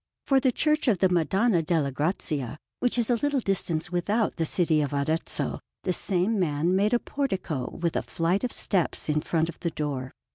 For the Church of the Madonna delle Grazie, which is a little distance without the city of Arezzo, the same man made a portico with a flight of steps in front of the door.